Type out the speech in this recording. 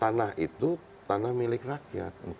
tanah itu tanah milik rakyat